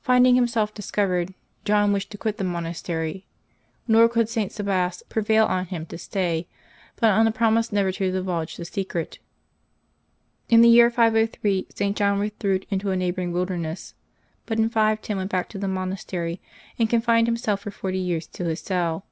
Finding himself discovered, John wished to quit the monastery, nor could St. Sabas prevail on him to stay, but on a promise never to divulge the secret. In the year 503, St. John withdrew into a neigh boring wilderness, but in 510 went back to the monastery, and confined himself for forty years to his cell.